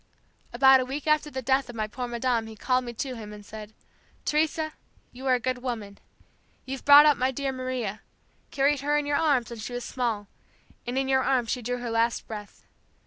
"About a week after the death of my poor madame he called me to him and said, 'Teresa, you are a good woman. You've brought up my dear Maria, carried her in your arms when she was small, and in your arms she drew her last breath.